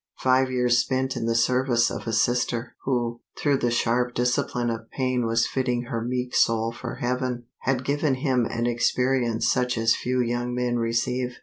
Five years spent in the service of a sister, who, through the sharp discipline of pain was fitting her meek soul for heaven, had given him an experience such as few young men receive.